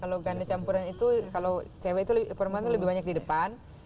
kalau ganda campuran itu kalau cewek itu permanen itu lebih banyak di depan